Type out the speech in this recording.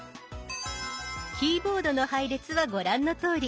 キーボードの配列はご覧のとおり。